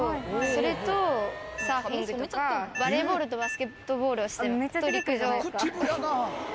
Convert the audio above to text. それとサーフィンとかバレーボールとバスケットボールをあと陸上をやっています。